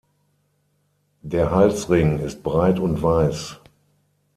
Der Halsring ist breit und weiß.